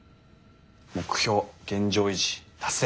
「目標現状維持」達成。